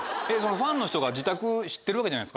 ファンの人が自宅知ってるわけじゃないですか。